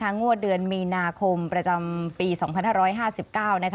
งวดเดือนมีนาคมประจำปี๒๕๕๙นะคะ